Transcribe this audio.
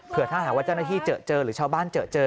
เผื่อถ้าหาวัตเจ้าหน้าที่เจอหรือชาวบ้านเจอ